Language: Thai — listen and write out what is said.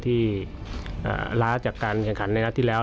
ที่ล้าจากการแข่งขันในนัดที่แล้ว